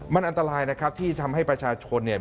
มันอันตรายนะครับที่ทำให้ประชาชนเนี่ย